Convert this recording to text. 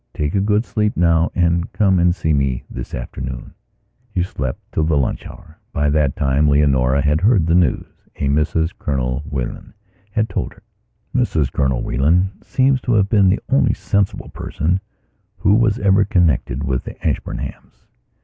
Take a good sleep now and come and see me this afternoon." He slept till the lunch hour. By that time Leonora had heard the news. A Mrs Colonel Whelan had told her. Mrs Colonel Whelan seems to have been the only sensible person who was ever connected with the Ashburnhams.